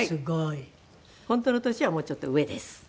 本当の年はもうちょっと上です。